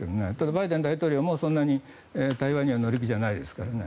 バイデン大統領もそんなに対話に乗り気じゃないですからね。